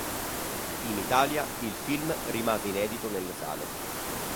In Italia, in film rimase inedito nelle sale.